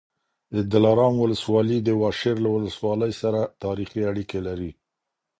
د دلارام ولسوالي د واشېر له ولسوالۍ سره تاریخي اړیکې لري